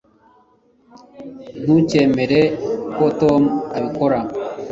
ntukemere ko tom abikora